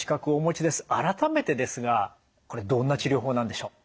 改めてですがこれどんな治療法なんでしょう？